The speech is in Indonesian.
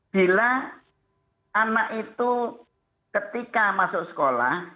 bila anak itu ketika masuk sekolah